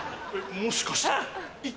もしかして。